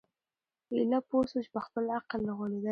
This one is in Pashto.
ایله پوه سو په خپل عقل غولیدلی